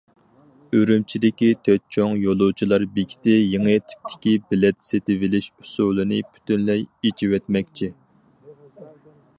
ئۈرۈمچىدىكى تۆت چوڭ يولۇچىلار بېكىتى يېڭى تىپتىكى بىلەت سېتىۋېلىش ئۇسۇلىنى پۈتۈنلەي ئېچىۋەتمەكچى.